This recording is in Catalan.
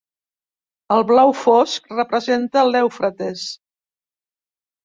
El blau fosc representa l'Eufrates.